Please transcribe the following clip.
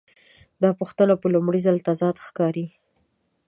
دا پوښتنه په لومړي ځل تضاد ښکاري.